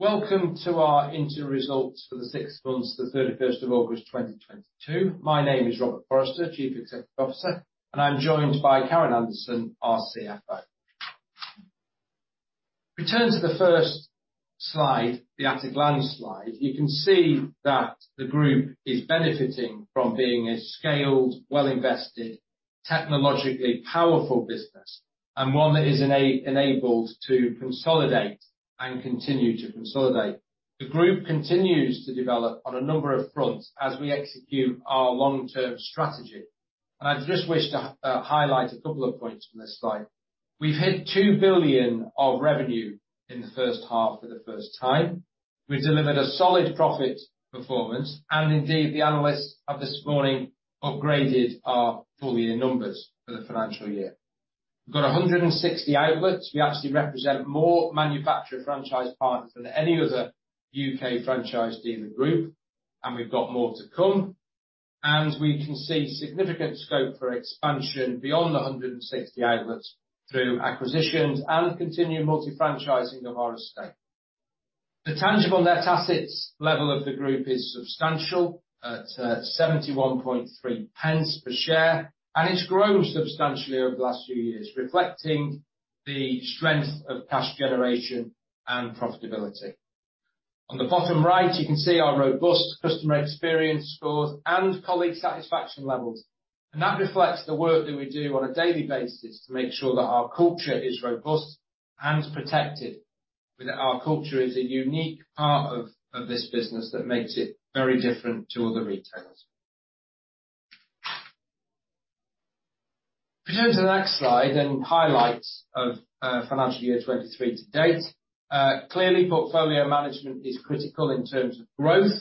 Welcome to our interim results for the six months to August 31st, 2022. My name is Robert Forrester, Chief Executive Officer, and I'm joined by Karen Anderson, our CFO. If we turn to the first slide, the at a glance slide, you can see that the group is benefiting from being a scaled, well-invested, technologically powerful business and one that is enabled to consolidate and continue to consolidate. The group continues to develop on a number of fronts as we execute our long-term strategy, and I just wish to highlight a couple of points from this slide. We've hit 2 billion of revenue in the first half for the first time. We've delivered a solid profit performance, and indeed, the analysts have this morning upgraded our full year numbers for the financial year. We've got 160 outlets. We actually represent more manufacturer franchise partners than any other UK franchise dealer group, and we've got more to come. We can see significant scope for expansion beyond the 160 outlets through acquisitions and continued multi franchising of our estate. The tangible net assets level of the group is substantial at 71.3 pence per share, and it's grown substantially over the last few years, reflecting the strength of cash generation and profitability. On the bottom right, you can see our robust customer experience scores and colleague satisfaction levels. That reflects the work that we do on a daily basis to make sure that our culture is robust and protected. With our culture is a unique part of this business that makes it very different to other retailers. If you turn to the next slide and highlights of financial year 2023 to date. Clearly portfolio management is critical in terms of growth.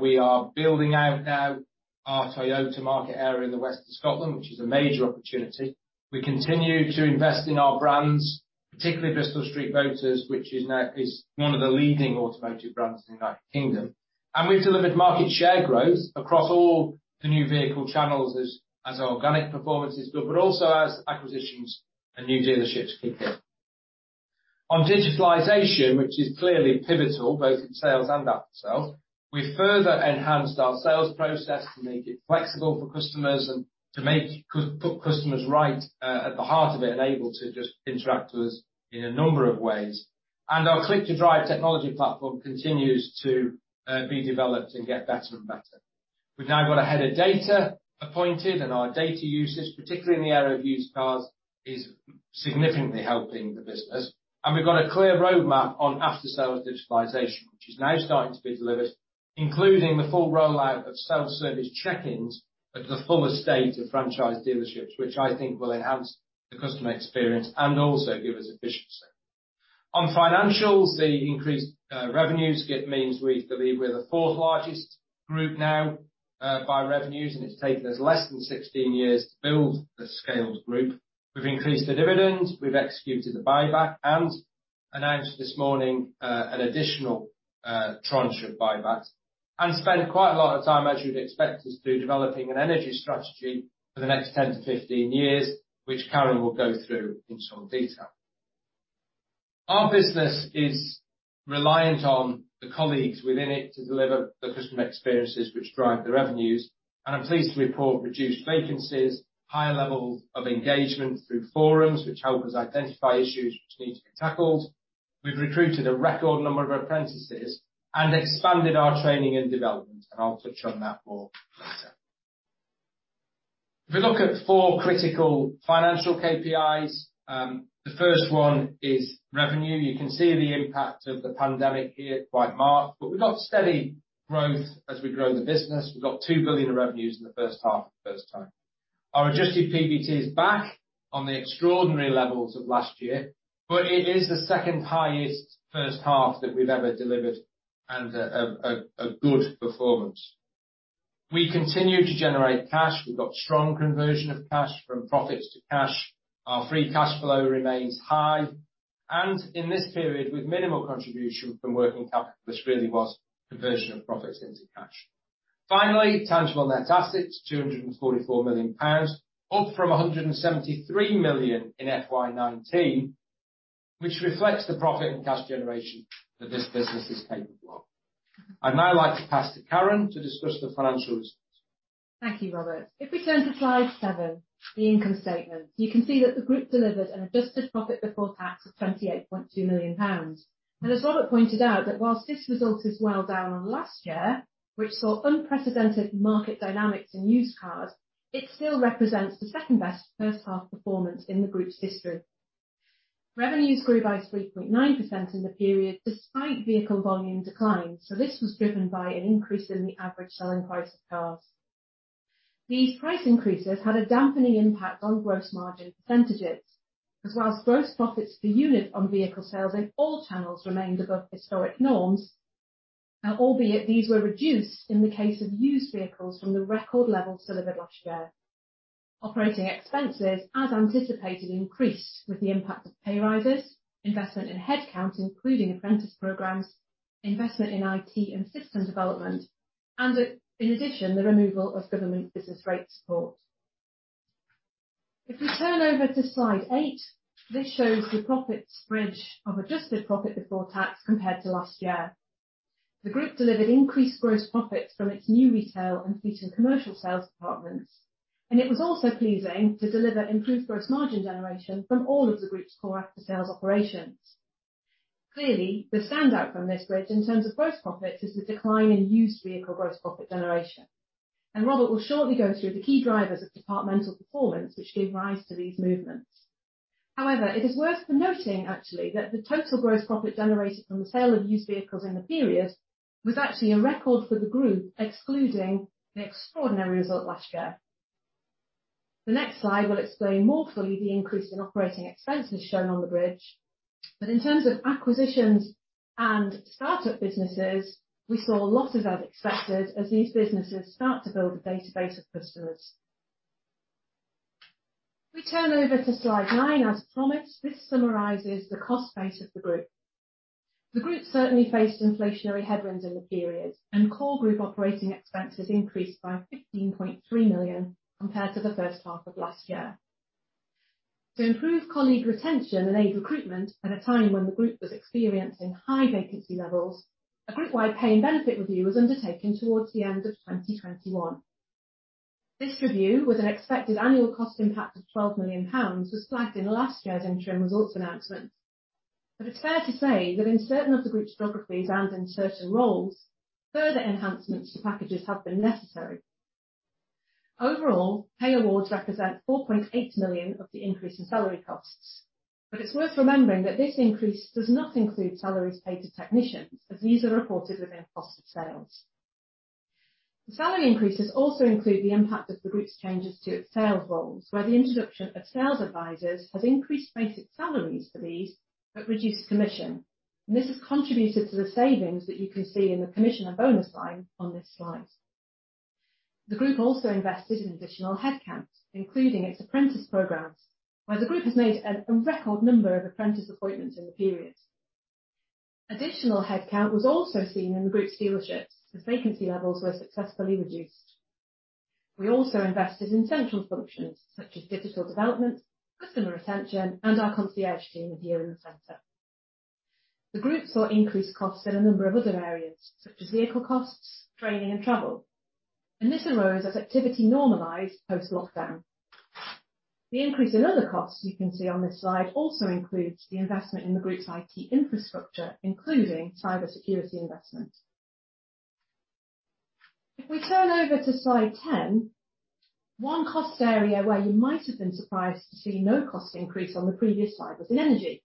We are building out now our Toyota market area in the West of Scotland, which is a major opportunity. We continue to invest in our brands, particularly Bristol Street Motors, which is now one of the leading automotive brands in the United Kingdom. We've delivered market share growth across all the new vehicle channels as organic performance is good, but also as acquisitions and new dealerships kick in. On digitalization, which is clearly pivotal both in sales and aftersales, we've further enhanced our sales process to make it flexible for customers and to make putting customers right at the heart of it, enabled to just interact with us in a number of ways. Our Click2Drive technology platform continues to be developed and get better and better. We've now got a head of data appointed, and our data usage, particularly in the area of used cars, is significantly helping the business. We've got a clear roadmap on aftersales digitalization, which is now starting to be delivered, including the full rollout of self-service check-ins at the full estate of franchise dealerships, which I think will enhance the customer experience and also give us efficiency. On financials, the increased revenue growth means we believe we're the fourth largest group now by revenues, and it's taken us less than 16 years to build the scaled group. We've increased the dividends, we've executed a buyback and announced this morning an additional tranche of buyback, and spent quite a lot of time, as you'd expect us to, developing an energy strategy for the next 10-15 years, which Karen will go through in some detail. Our business is reliant on the colleagues within it to deliver the customer experiences which drive the revenues. I'm pleased to report reduced vacancies, higher levels of engagement through forums which help us identify issues which need to be tackled. We've recruited a record number of apprentices and expanded our training and development, and I'll touch on that more later. If we look at four critical financial KPIs, the first one is revenue. You can see the impact of the pandemic here quite marked, but we've got steady growth as we grow the business. We've got 2 billion of revenues in the first half for the first time. Our adjusted PBT is back on the extraordinary levels of last year, but it is the second highest first half that we've ever delivered and a good performance. We continue to generate cash. We've got strong conversion of cash from profits to cash. Our free cash flow remains high, and in this period, with minimal contribution from working capital, this really was conversion of profits into cash. Finally, tangible net assets, GBP 244 million, up from GBP 173 million in FY 2019, which reflects the profit and cash generation that this business is capable of. I'd now like to pass to Karen to discuss the financial results. Thank you, Robert. If we turn to slide seven, the income statement. You can see that the group delivered an adjusted profit before tax of 28.2 million pounds. As Robert pointed out, while this result is well down on last year, which saw unprecedented market dynamics in used cars, it still represents the second-best first half performance in the group's history. Revenues grew by 3.9% in the period despite vehicle volume decline. This was driven by an increase in the average selling price of cars. These price increases had a dampening impact on gross margin percentages, because while gross profits per unit on vehicle sales in all channels remained above historic norms, albeit these were reduced in the case of used vehicles from the record levels delivered last year. Operating expenses, as anticipated, increased with the impact of pay rises, investment in headcount, including apprentice programs, investment in IT and system development, and in addition, the removal of government business rate support. If you turn over to slide eight, this shows the profit bridge of adjusted profit before tax compared to last year. The group delivered increased gross profits from its new retail and fleet and commercial sales departments, and it was also pleasing to deliver improved gross margin generation from all of the group's core after-sales operations. Clearly, the standout from this bridge in terms of gross profits is the decline in used vehicle gross profit generation. Robert will shortly go through the key drivers of departmental performance, which gave rise to these movements. However, it is worth noting actually, that the total gross profit generated from the sale of used vehicles in the period was actually a record for the group, excluding the extraordinary result last year. The next slide will explain more fully the increase in operating expenses shown on the bridge. In terms of acquisitions and startup businesses, we saw a lot of costs, as expected, as these businesses start to build a database of customers. If we turn over to slide nine as promised, this summarizes the cost base of the group. The group certainly faced inflationary headwinds in the period, and core group operating expenses increased by 15.3 million compared to the first half of last year. To improve colleague retention and aid recruitment at a time when the group was experiencing high vacancy levels, a group-wide pay and benefit review was undertaken toward the end of 2021. This review, with an expected annual cost impact of 12 million pounds, was flagged in last year's interim results announcement. It's fair to say that in certain of the group's geographies and in certain roles, further enhancements to packages have been necessary. Overall, pay awards represent 4.8 million of the increase in salary costs. It's worth remembering that this increase does not include salaries paid to technicians, as these are reported within cost of sales. The salary increases also include the impact of the group's changes to its sales roles, where the introduction of sales advisors has increased basic salaries for these, but reduced commission. This has contributed to the savings that you can see in the commission and bonus line on this slide. The group also invested in additional headcount, including its apprentice programs, where the group has made a record number of apprentice appointments in the period. Additional headcount was also seen in the group's dealerships as vacancy levels were successfully reduced. We also invested in central functions such as digital development, customer retention, and our concierge team at the learning center. The group saw increased costs in a number of other areas, such as vehicle costs, training, and travel, and this arose as activity normalized post-lockdown. The increase in other costs you can see on this slide also includes the investment in the group's IT infrastructure, including cybersecurity investment. If we turn over to slide 10, one cost area where you might have been surprised to see no cost increase on the previous slide was in energy.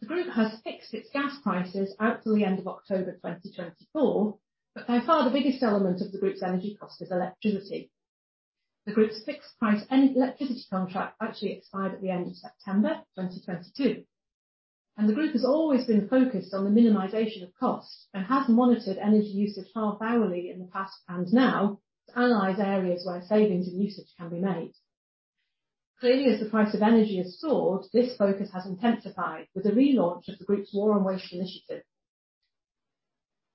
The group has fixed its gas prices out till the end of October 2024, but by far the biggest element of the group's energy cost is electricity. The group's fixed price electricity contract actually expired at the end of September 2022, and the group has always been focused on the minimization of cost and has monitored energy usage half-hourly in the past and now to analyze areas where savings and usage can be made. Clearly, as the price of energy has soared, this focus has intensified with the relaunch of the group's War on Waste initiative.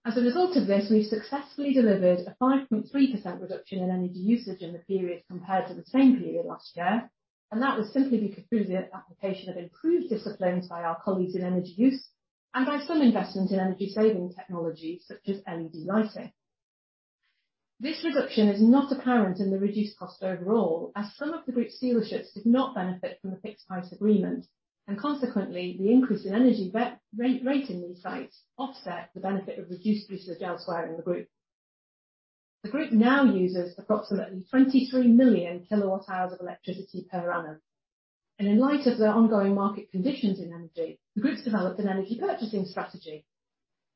As a result of this, we've successfully delivered a 5.3% reduction in energy usage in the period compared to the same period last year, and that was simply through the application of improved disciplines by our colleagues in energy use and by some investment in energy saving technologies such as LED lighting. This reduction is not apparent in the reduced cost overall, as some of the group's dealerships did not benefit from the fixed price agreement, and consequently, the increase in energy rate in these sites offset the benefit of reduced usage elsewhere in the group. The group now uses approximately 23 million kilowatt-hours of electricity per annum. In light of the ongoing market conditions in energy, the group's developed an energy purchasing strategy.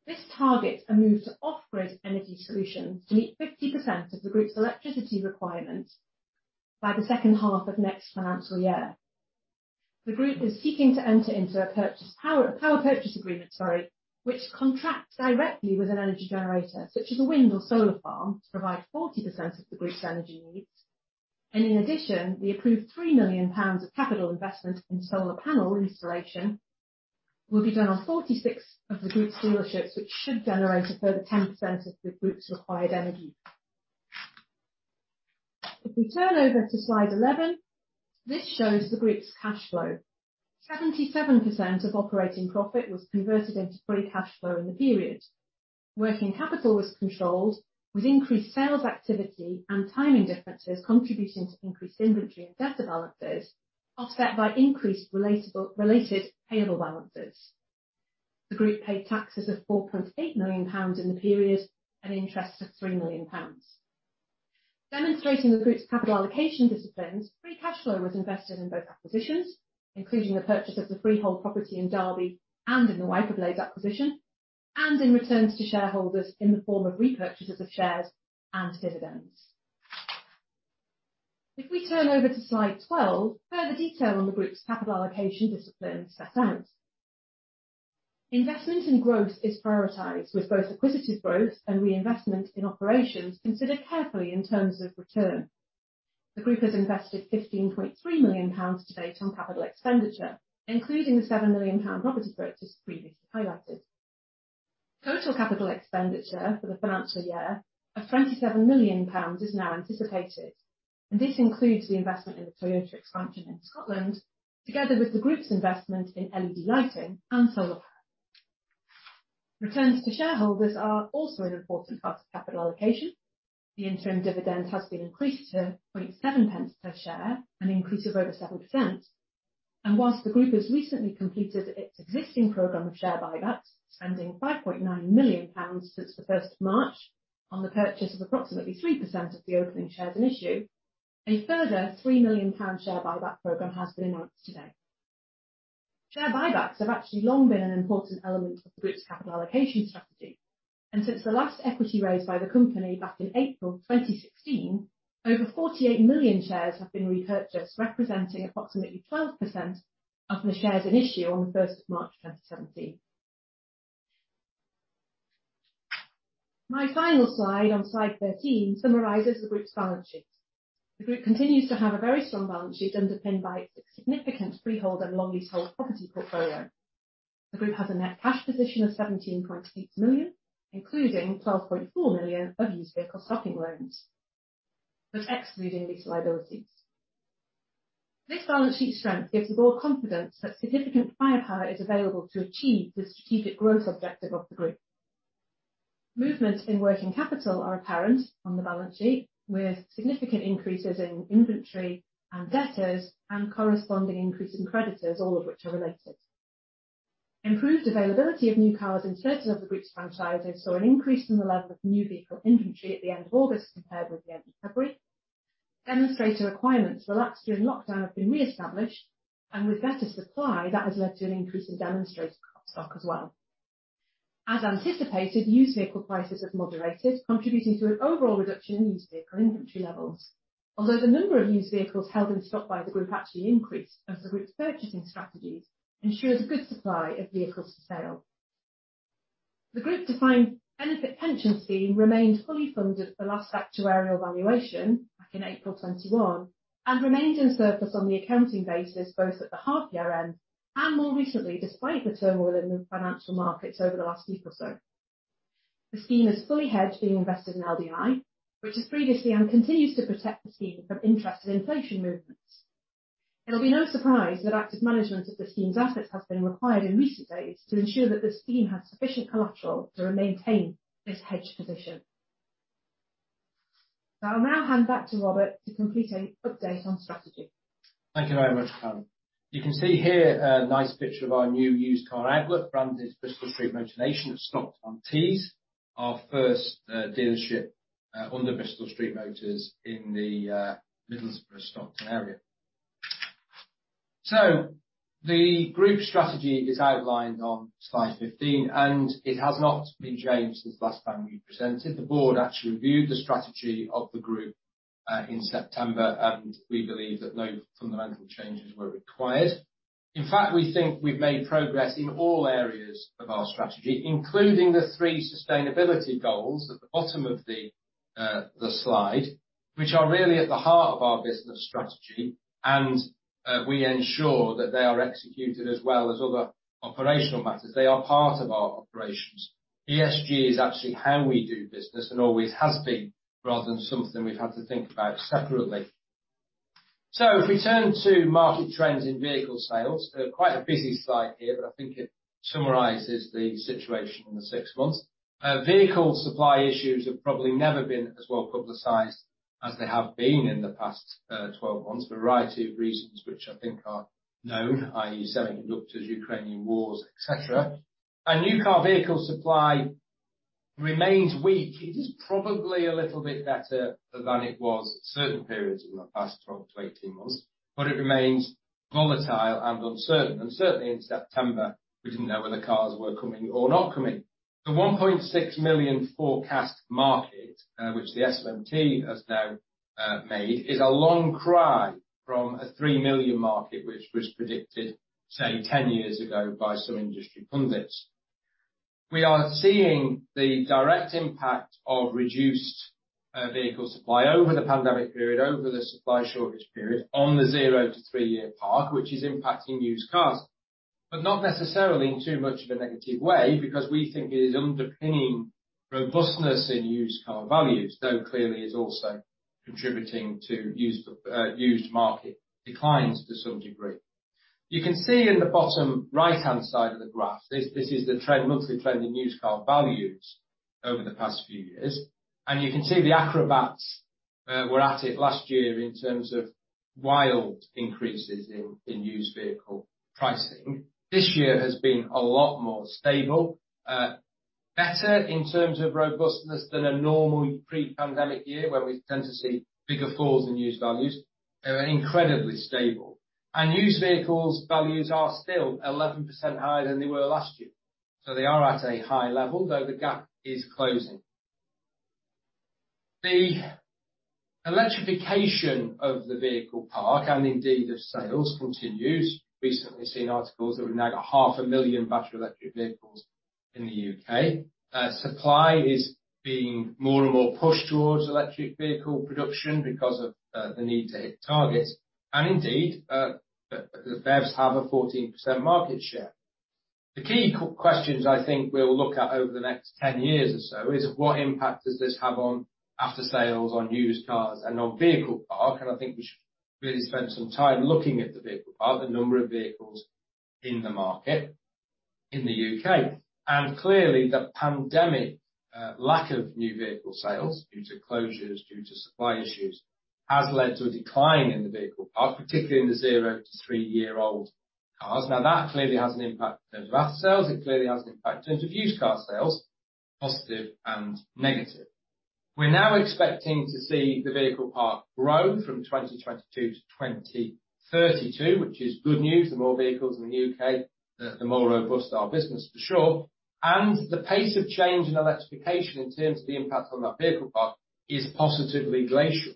This targets a move to off-grid energy solutions to meet 50% of the group's electricity requirements by the second half of next financial year. The group is seeking to enter into a power purchase agreement, sorry, which contracts directly with an energy generator such as a wind or solar farm, to provide 40% of the group's energy needs. In addition, the approved 3 million pounds of capital investment in solar panel installation will be done on 46 of the group's dealerships, which should generate a further 10% of the group's required energy. If we turn over to slide 11, this shows the group's cash flow. 77% of operating profit was converted into free cash flow in the period. Working capital was controlled with increased sales activity and timing differences contributing to increased inventory and debtor balances, offset by increased related payable balances. The group paid taxes of 4.8 million pounds in the period and interest of 3 million pounds. Demonstrating the group's capital allocation disciplines, free cash flow was invested in both acquisitions, including the purchase of the freehold property in Derby and in the Wiper Blades acquisition, and in returns to shareholders in the form of repurchases of shares and dividends. If we turn over to slide 12, further detail on the group's capital allocation discipline is set out. Investment in growth is prioritized, with both acquisitive growth and reinvestment in operations considered carefully in terms of return. The group has invested 15.3 million pounds to date on capital expenditure, including the 7 million pound property purchase previously highlighted. Total capital expenditure for the financial year of 27 million pounds is now anticipated, and this includes the investment in the Toyota expansion in Scotland, together with the group's investment in LED lighting and solar power. Returns to shareholders are also an important part of capital allocation. The interim dividend has been increased to 0.007 per share, an increase of over 7%. Whilst the group has recently completed its existing program of share buybacks, spending 5.9 million pounds since the 1st of March on the purchase of approximately 3% of the opening shares in issue, a further 3 million pound share buyback program has been announced today. Share buybacks have actually long been an important element of the group's capital allocation strategy, and since the last equity raise by the company back in April 2016, over 48 million shares have been repurchased, representing approximately 12% of the shares in issue on the first of March 2017. My final slide on slide 13 summarizes the group's balance sheet. The group continues to have a very strong balance sheet underpinned by its significant freehold and long leasehold property portfolio. The group has a net cash position of 17.8 million, including 12.4 million of used vehicle stocking loans, but excluding these liabilities. This balance sheet strength gives the board confidence that significant firepower is available to achieve the strategic growth objective of the group. Movements in working capital are apparent on the balance sheet, with significant increases in inventory and debtors and corresponding increase in creditors, all of which are related. Improved availability of new cars in certain of the group's franchises saw an increase in the level of new vehicle inventory at the end of August compared with the end of February. Demonstrator requirements relaxed during lockdown have been reestablished, and with better supply, that has led to an increase in demonstrator stock as well. As anticipated, used vehicle prices have moderated, contributing to an overall reduction in used vehicle inventory levels. Although the number of used vehicles held in stock by the group actually increased as the group's purchasing strategies ensures a good supply of vehicles for sale. The group's defined benefit pension scheme remained fully funded at the last actuarial valuation back in April 2021, and remained in surplus on the accounting basis, both at the half year end and more recently, despite the turmoil in the financial markets over the last week or so. The scheme is fully hedged, being invested in LDI, which was previously and continues to protect the scheme from interest and inflation movements. It'll be no surprise that active management of the scheme's assets has been required in recent days to ensure that the scheme has sufficient collateral to maintain this hedged position. I'll now hand back to Robert to complete an update on strategy. Thank you very much, Karen. You can see here a nice picture of our new used car outlet branded Bristol Street Motors Motornation of Stockton-on-Tees, our first dealership under Bristol Street Motors in the Middlesbrough, Stockton area. The group strategy is outlined on slide 15, and it has not been changed since last time we presented. The board actually reviewed the strategy of the group in September, and we believe that no fundamental changes were required. In fact, we think we've made progress in all areas of our strategy, including the three sustainability goals at the bottom of the slide, which are really at the heart of our business strategy, and we ensure that they are executed as well as other operational matters. They are part of our operations. ESG is actually how we do business and always has been, rather than something we've had to think about separately. If we turn to market trends in vehicle sales. Quite a busy slide here, but I think it summarizes the situation in the six months. Vehicle supply issues have probably never been as well publicized as they have been in the past 12 months, for a variety of reasons, which I think are known, i.e. semiconductors, Ukraine war, etc. New car vehicle supply remains weak. It is probably a little bit better than it was certain periods in the past 12 to 18 months, but it remains volatile and uncertain. Certainly in September we didn't know whether cars were coming or not coming. The 1.6 million forecast market, which the SMMT has now made, is a far cry from a 3 million market, which was predicted, say, 10 years ago by some industry pundits. We are seeing the direct impact of reduced vehicle supply over the pandemic period, over the supply shortage period on the zero to three-year parc, which is impacting used cars, but not necessarily in too much of a negative way because we think it is underpinning robustness in used car values, though clearly it's also contributing to used market declines to some degree. You can see in the bottom right-hand side of the graph. This is the trend, monthly trend in used car values over the past few years. You can see the economists were at it last year in terms of wild increases in used vehicle pricing. This year has been a lot more stable. Better in terms of robustness than a normal pre-pandemic year, where we tend to see bigger falls in used values. They're incredibly stable. Used vehicles values are still 11% higher than they were last year, so they are at a high level, though the gap is closing. The electrification of the vehicle park and indeed of sales continues. Recently seen articles that we've now got 500,000 battery electric vehicles in the UK. Supply is being more and more pushed towards electric vehicle production because of the need to hit targets. Indeed, the BEVs have a 14% market share. The key questions I think we'll look at over the next 10 years or so, is what impact does this have on after sales, on used cars and on vehicle park? I think we should really spend some time looking at the vehicle park, the number of vehicles in the market in the UK. Clearly the pandemic, lack of new vehicle sales due to closures, due to supply issues, has led to a decline in the vehicle park, particularly in the zero to three year-old cars. Now, that clearly has an impact in terms of after sales, it clearly has an impact in terms of used car sales, positive and negative. We're now expecting to see the vehicle park grow from 2022 to 2032, which is good news. The more vehicles in the UK, the more robust our business for sure. The pace of change in electrification in terms of the impact on that vehicle park is positively glacial.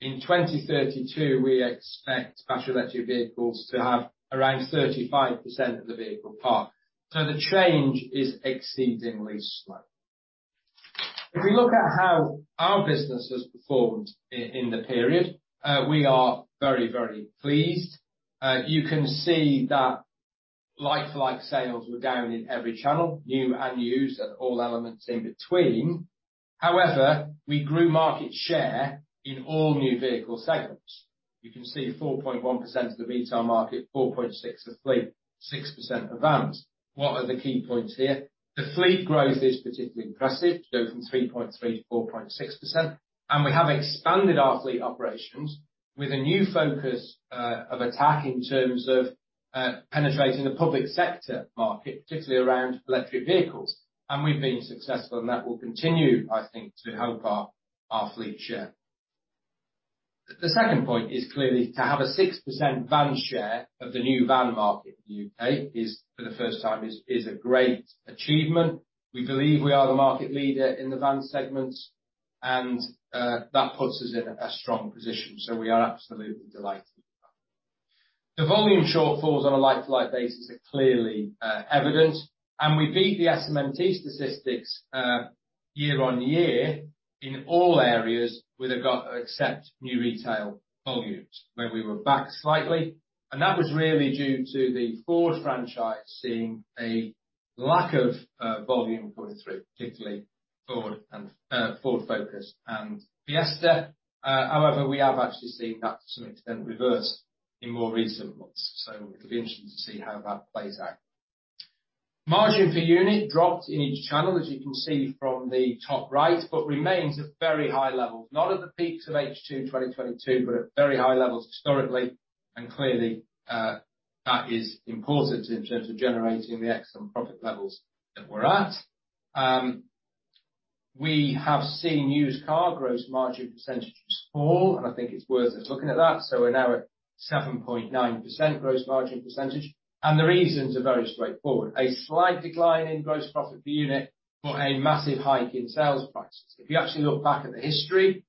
In 2032, we expect battery electric vehicles to have around 35% of the vehicle park, so the change is exceedingly slow. If we look at how our business has performed in the period, we are very, very pleased. You can see that like-for-like sales were down in every channel, new and used and all elements in between. However, we grew market share in all new vehicle segments. You can see 4.1% of the retail market, 4.6% of fleet, 6% of vans. What are the key points here? The fleet growth is particularly impressive, going from 3.3% to 4.6%, and we have expanded our fleet operations with a new focus of attack in terms of penetrating the public sector market, particularly around electric vehicles. We've been successful, and that will continue, I think, to help our fleet share. The second point is clearly to have a 6% van share of the new van market in the UK, for the first time, a great achievement. We believe we are the market leader in the van segments and that puts us in a strong position, so we are absolutely delighted with that. The volume shortfalls on a like-for-like basis are clearly evident and we beat the SMMT statistics year-on-year in all areas except new retail volumes, where we were back slightly, and that was really due to the Ford franchise seeing a lack of volume coming through, particularly Ford and Ford Focus and Fiesta. However, we have actually seen that to some extent reverse in more recent months, so it'll be interesting to see how that plays out. Margin per unit dropped in each channel, as you can see from the top right, but remains at very high levels, not at the peaks of H2 2022, but at very high levels historically, and clearly, that is important in terms of generating the excellent profit levels that we're at. We have seen used car gross margin percentages fall, and I think it's worth us looking at that. We're now at 7.9% gross margin percentage. The reasons are very straightforward, a slight decline in gross profit per unit for a massive hike in sales prices. If you actually look back at the history,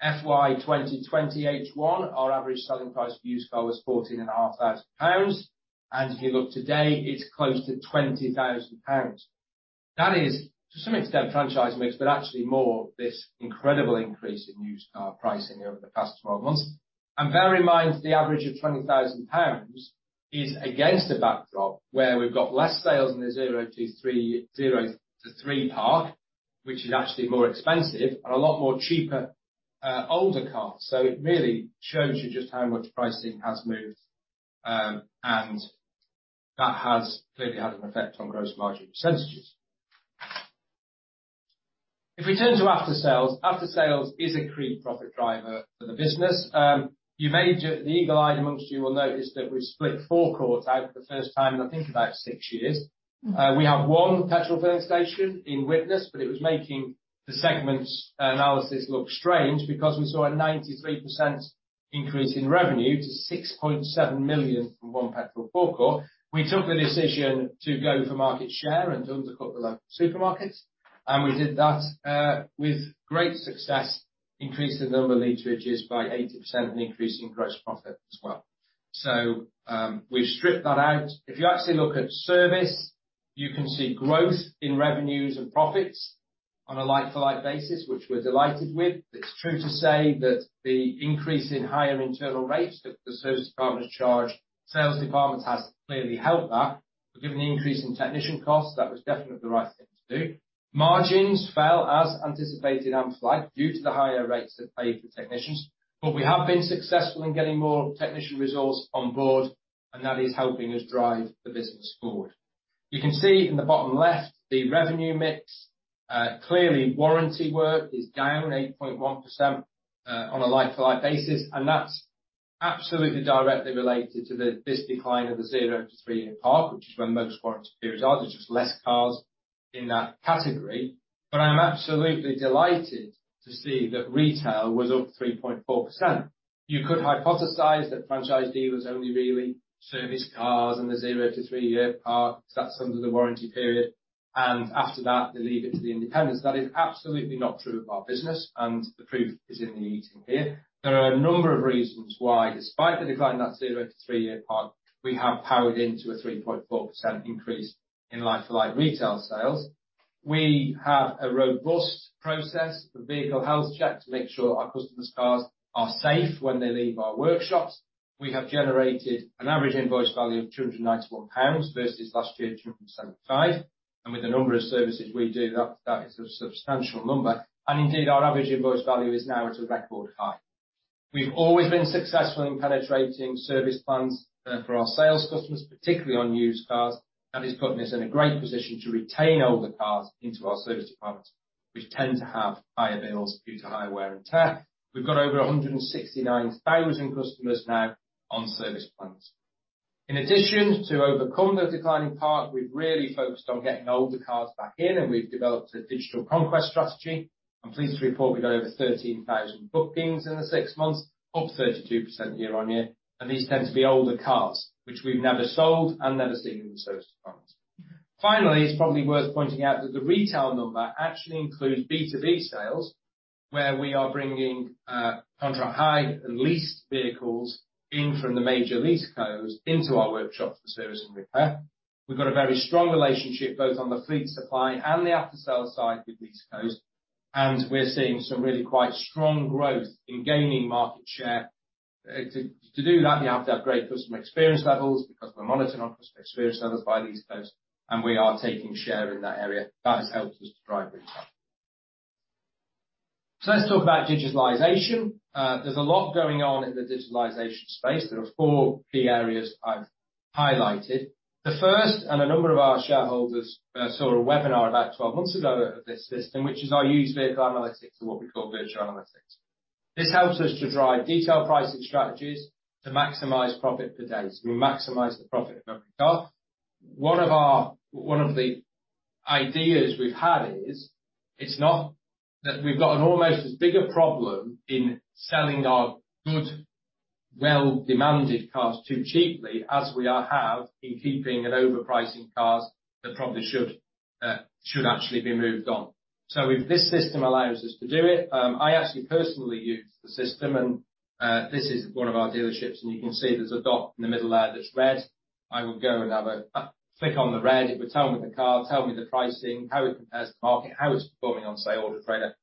FY 2020 H1, our average selling price for used car was 14.5 thousand pounds, and if you look today, it's close to 20 thousand pounds. That is to some extent franchise mix, but actually more this incredible increase in used car pricing over the past 12 months. Bear in mind, the average of 20 thousand pounds is against a backdrop where we've got less sales in the zero to three-parc, which is actually more expensive and a lot more cheaper, older cars. It really shows you just how much pricing has moved, and that has clearly had an effect on gross margin percentages. If we turn to after sales, after sales is a key profit driver for the business. You may, the eagle-eyed among you will notice that we've split forecourts out for the first time in, I think about six years. We have one petrol filling station in Widnes, but it was making the segment's analysis look strange because we saw a 93% increase in revenue to 6.7 million from one petrol forecourt. We took the decision to go for market share and undercut the local supermarkets, and we did that with great success, increasing number of litres by 80% and increasing gross profit as well. We've stripped that out. If you actually look at service, you can see growth in revenues and profits on a like-for-like basis, which we're delighted with. It's true to say that the increase in higher internal rates that the service department charge sales department has clearly helped that. Given the increase in technician costs, that was definitely the right thing to do. Margins fell as anticipated and flagged due to the higher rates paid for technicians. We have been successful in getting more technician resource on board, and that is helping us drive the business forward. You can see in the bottom left the revenue mix. Clearly warranty work is down 8.1% on a like-for-like basis, and that's absolutely directly related to this decline of the zero to three-year parc, which is where most warranty periods are. There's just less cars in that category. I'm absolutely delighted to see that retail was up 3.4%. You could hypothesize that franchise dealers only really service cars in the zero to three-year parc that's under the warranty period, and after that they leave it to the independents. That is absolutely not true of our business, and the proof is in the eating here. There are a number of reasons why, despite the decline in that zero to three-year parc, we have powered into a 3.4% increase in like-for-like retail sales. We have a robust process for vehicle health checks to make sure our customers' cars are safe when they leave our workshops. We have generated an average invoice value of 291 pounds versus last year's 275. With the number of services we do, that is a substantial number. Indeed, our average invoice value is now at a record high. We've always been successful in penetrating service plans, for our sales customers, particularly on used cars. It's gotten us in a great position to retain older cars into our service departments, which tend to have higher bills due to higher wear and tear. We've got over 169,000 customers now on service plans. In addition, to overcome the declining part, we've really focused on getting older cars back in, and we've developed a digital conquest strategy. I'm pleased to report we got over 13,000 bookings in the six months, up 32% year-over-year, and these tend to be older cars, which we've never sold and never seen in the service departments. Finally, it's probably worth pointing out that the retail number actually includes B2B sales, where we are bringing contract hire and leased vehicles in from the major leasecos into our workshops for service and repair. We've got a very strong relationship, both on the fleet supply and the aftersales side with leasecos, and we're seeing some really quite strong growth in gaining market share. To do that, you have to have great customer experience levels because we're monitoring our customer experience levels by leasecos, and we are taking share in that area. That has helped us to drive retail. Let's talk about digitalization. There's a lot going on in the digitalization space. There are four key areas I've highlighted. The first, and a number of our shareholders saw a webinar about 12 months ago of this system, which is our used vehicle analytics and what we call virtual analytics. This helps us to drive detailed pricing strategies to maximize profit per day. We maximize the profit of every car. One of the ideas we've had is, it's not that we've got an almost as big a problem in selling our good, well demanded cars too cheaply as we have in keeping and overpricing cars that probably should actually be moved on. If this system allows us to do it, I actually personally use the system and this is one of our dealerships, and you can see there's a dot in the middle there that's red. I will go and have a click on the red. It would tell me the car, tell me the pricing, how it compares to market, how it's performing on, say, Auto Trader,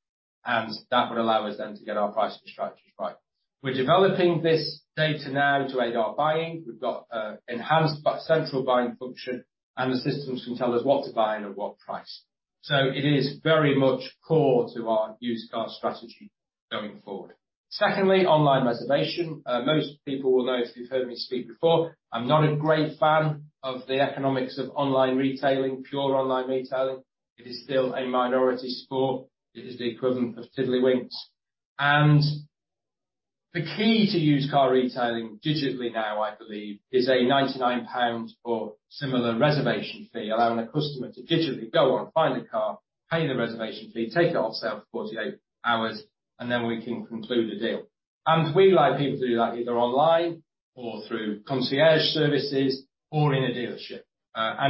and that would allow us then to get our pricing strategies right. We're developing this data now to aid our buying. We've got an enhanced central buying function, and the systems can tell us what to buy and at what price. It is very much core to our used car strategy going forward. Secondly, online reservation. Most people will know if you've heard me speak before, I'm not a great fan of the economics of online retailing, pure online retailing. It is still a minority sport. It is the equivalent of tiddlywinks. The key to used car retailing digitally now, I believe, is a 99 pound or similar reservation fee, allowing a customer to digitally go and find a car, pay the reservation fee, take it on sale for 48 hours, and then we can conclude the deal. We like people to do that either online or through concierge services or in a dealership.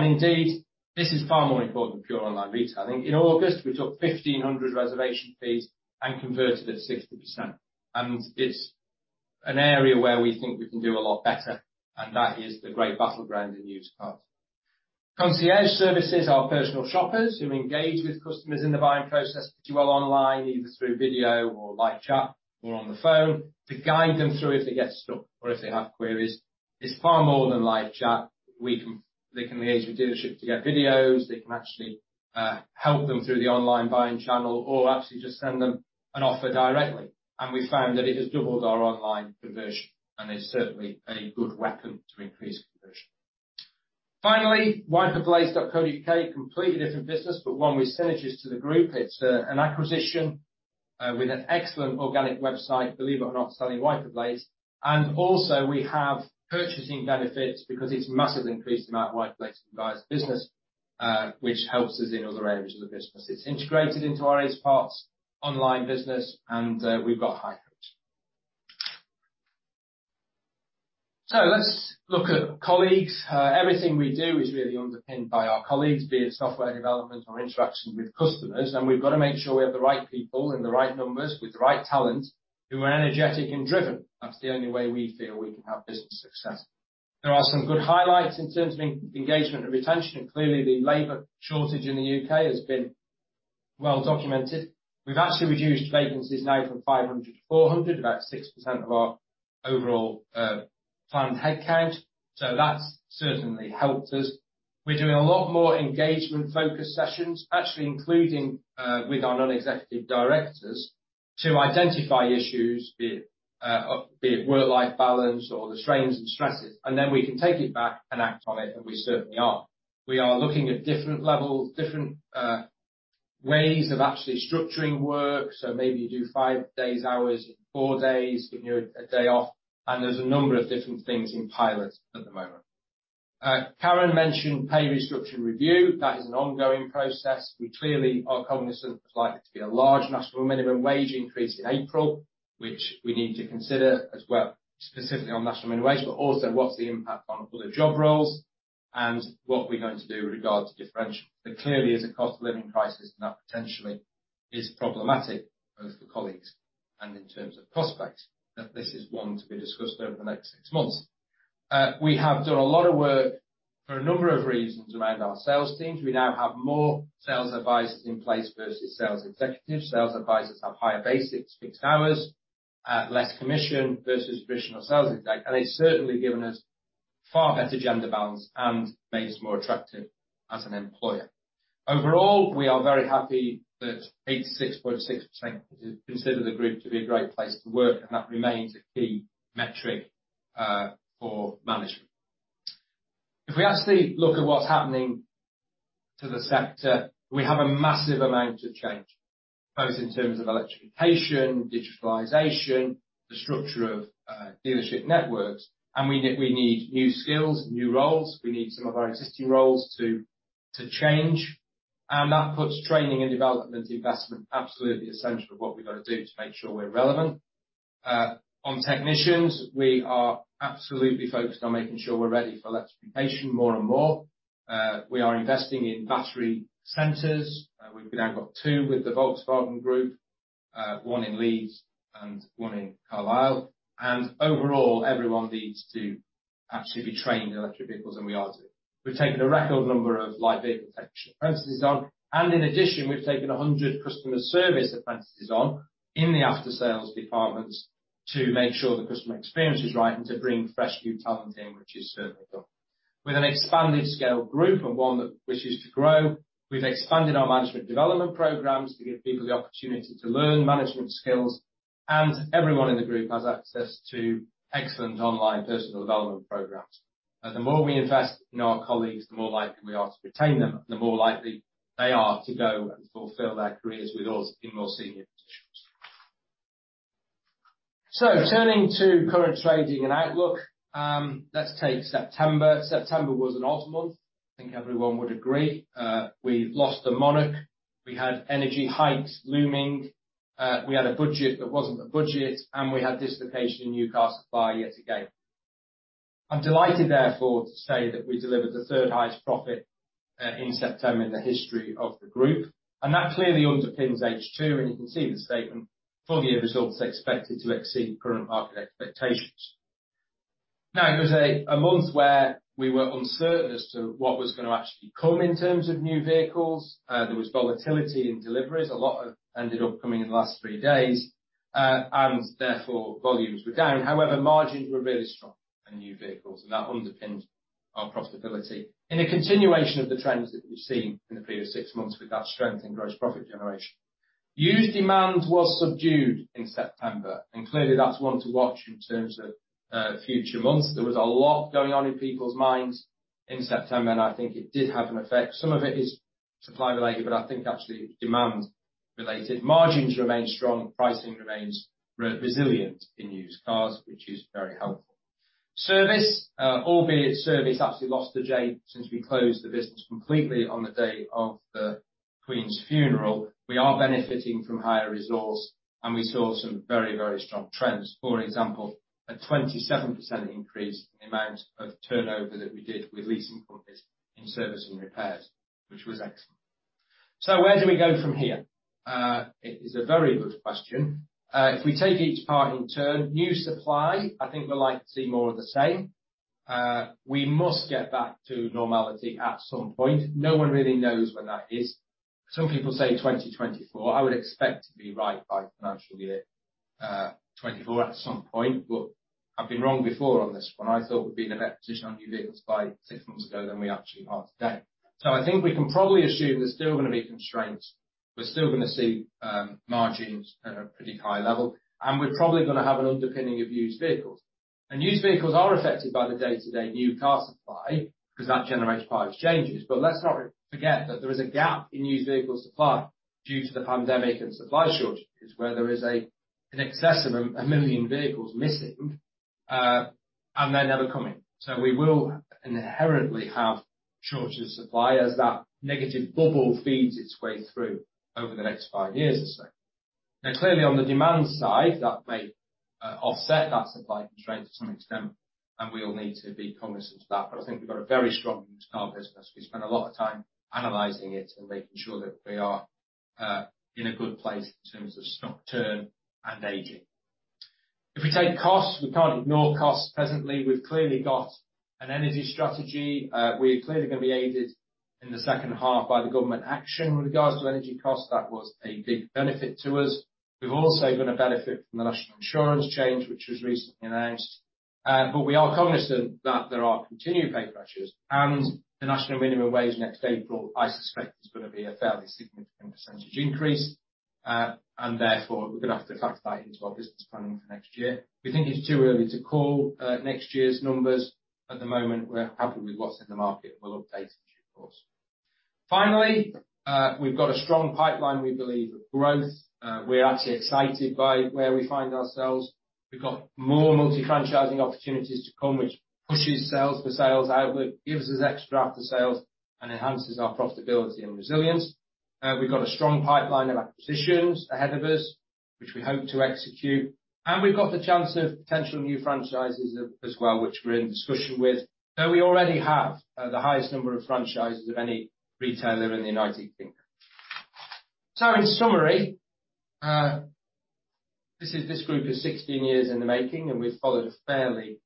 Indeed, this is far more important than pure online retailing. In August, we took 1,500 reservation fees and converted at 60%. It's an area where we think we can do a lot better, and that is the great battleground in used cars. Concierge services are personal shoppers who engage with customers in the buying process, be it online, either through video or live chat or on the phone, to guide them through if they get stuck or if they have queries. It's far more than live chat. They can engage with dealerships to get videos. They can actually help them through the online buying channel or actually just send them an offer directly. We found that it has doubled our online conversion and is certainly a good weapon to increase conversion. Finally, wiperblades.co.uk, completely different business, but one with synergies to the group. It's an acquisition with an excellent organic website, believe it or not, selling wiper blades. Also, we have purchasing benefits because it's massively increased the amount of wiper blades we buy as a business, which helps us in other areas of the business. It's integrated into our eSpares online business, and we've got high growth. Let's look at colleagues. Everything we do is really underpinned by our colleagues, be it software development or interaction with customers, and we've gotta make sure we have the right people and the right numbers with the right talent who are energetic and driven. That's the only way we feel we can have business success. There are some good highlights in terms of engagement and retention, and clearly the labor shortage in the U.K. has been well documented. We've actually reduced vacancies now from 500 to 400, about 6% of our overall planned headcount. That's certainly helped us. We're doing a lot more engagement focus sessions, actually including with our non-executive directors to identify issues, be it work-life balance or the strains and stresses, and then we can take it back and act on it, and we certainly are. We are looking at different levels, different ways of actually structuring work. Maybe you do five days' hours in four days, giving you a day off, and there's a number of different things in pilot at the moment. Karen mentioned pay restructure review. That is an ongoing process. We clearly are cognizant there's likely to be a large national minimum wage increase in April, which we need to consider as well, specifically on national minimum wage, but also what's the impact on other job roles and what we're going to do with regard to differentials. There clearly is a cost of living crisis, and that potentially is problematic both for colleagues and in terms of prospects, that this is one to be discussed over the next six months. We have done a lot of work for a number of reasons around our sales teams. We now have more sales advisors in place versus sales executives. Sales advisors have higher basics, fixed hours, less commission versus traditional sales exec, and it's certainly given us far better gender balance and made us more attractive as an employer. Overall, we are very happy that 86.6% consider the group to be a great place to work, and that remains a key metric for management. If we actually look at what's happening to the sector, we have a massive amount of change, both in terms of electrification, digitalization, the structure of dealership networks, and we need new skills, new roles. We need some of our existing roles to change, and that puts training and development investment absolutely essential of what we've gotta do to make sure we're relevant. On technicians, we are absolutely focused on making sure we're ready for electrification more and more. We are investing in battery centers. We've now got two with the Volkswagen Group, one in Leeds and one in Carlisle. Overall, everyone needs to absolutely be trained in electric vehicles, and we are doing. We've taken a record number of EV vehicle technician apprentices on, and in addition, we've taken 100 customer service apprentices on in the aftersales departments to make sure the customer experience is right and to bring fresh new talent in, which is certainly good. With an expanded scale group and one that wishes to grow, we've expanded our management development programs to give people the opportunity to learn management skills, and everyone in the group has access to excellent online personal development programs. The more we invest in our colleagues, the more likely we are to retain them, and the more likely they are to go and fulfill their careers with us in more senior positions. Turning to current trading and outlook, let's take September. September was an odd month. I think everyone would agree. We lost the monarch. We had energy hikes looming. We had a budget that wasn't a budget, and we had dislocation in new car supply yet again. I'm delighted therefore to say that we delivered the third highest profit in September in the history of the group, and that clearly underpins H2, and you can see in the statement, full year results are expected to exceed current market expectations. Now, it was a month where we were uncertain as to what was gonna actually come in terms of new vehicles. There was volatility in deliveries. A lot of ended up coming in the last three days, and therefore, volumes were down. However, margins were really strong in new vehicles, and that underpinned our profitability in a continuation of the trends that we've seen in the previous six months with that strength in gross profit generation. Used demand was subdued in September, and clearly that's one to watch in terms of future months. There was a lot going on in people's minds in September, and I think it did have an effect. Some of it is supply related, but I think actually demand related. Margins remain strong. Pricing remains resilient in used cars, which is very helpful. Service, albeit service absolutely lost a day since we closed the business completely on the day of the Queen's funeral. We are benefiting from higher resource, and we saw some very, very strong trends. For example, a 27% increase in the amount of turnover that we did with leasing companies in service and repairs, which was excellent. Where do we go from here? It is a very good question. If we take each part in turn, new supply, I think we're likely to see more of the same. We must get back to normality at some point. No one really knows when that is. Some people say 2024. I would expect to be right by financial year 2024 at some point, but I've been wrong before on this one. I thought we'd be in a better position on new vehicles by six months ago than we actually are today. I think we can probably assume there's still gonna be constraints. We're still gonna see margins at a pretty high level, and we're probably gonna have an underpinning of used vehicles. Used vehicles are affected by the day-to-day new car supply 'cause that generates part exchanges. Let's not forget that there is a gap in used vehicle supply due to the pandemic and supply shortages, where there is an excess of 1 million vehicles missing, and they're never coming. We will inherently have shortages of supply as that negative bubble feeds its way through over the next five years or so. Now, clearly on the demand side, that may offset that supply constraint to some extent, and we all need to be cognizant of that, but I think we've got a very strong used car business. We spend a lot of time analyzing it and making sure that we are in a good place in terms of stock turn and aging. If we take costs, we can't ignore costs presently. We've clearly got an energy strategy. We're clearly gonna be aided in the second half by the government action with regards to energy costs. That was a big benefit to us. We're also gonna benefit from the national insurance change, which was recently announced. We are cognizant that there are continued pay pressures, and the national minimum wage next April, I suspect, is gonna be a fairly significant percentage increase. Therefore, we're gonna have to factor that into our business planning for next year. We think it's too early to call next year's numbers. At the moment, we're happy with what's in the market. We'll update you, of course. Finally, we've got a strong pipeline, we believe, of growth. We're actually excited by where we find ourselves. We've got more multi-franchising opportunities to come, which pushes our sales outlook, gives us extra aftersales, and enhances our profitability and resilience. We've got a strong pipeline of acquisitions ahead of us, which we hope to execute, and we've got the chance of potential new franchises as well, which we're in discussion with, though we already have the highest number of franchises of any retailer in the United Kingdom. In summary, this group is 16 years in the making, and we've followed a fairly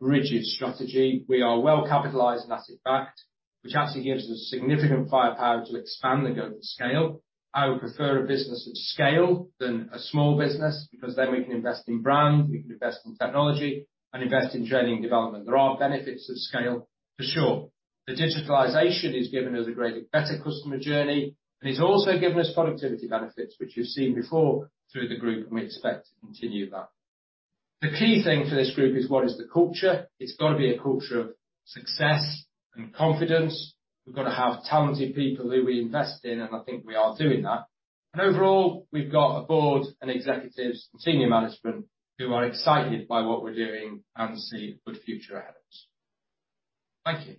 rigid strategy. We are well capitalized and asset backed, which actually gives us significant firepower to expand and go to scale. I would prefer a business at scale than a small business because then we can invest in brand, we can invest in technology, and invest in training and development. There are benefits of scale for sure. The digitalization has given us a great and better customer journey, and it's also given us productivity benefits, which you've seen before through the group, and we expect to continue that. The key thing for this group is what is the culture. It's gotta be a culture of success and confidence. We've gotta have talented people who we invest in, and I think we are doing that. Overall, we've got a board and executives and senior management who are excited by what we're doing and see a good future ahead of us. Thank you.